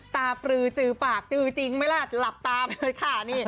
ปลือจือปากจือจริงไหมล่ะหลับตาไปเลยค่ะ